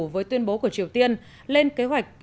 với tuyên bố của triều tiên lên kế hoạch